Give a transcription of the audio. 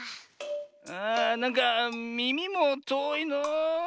ああなんかみみもとおいのう。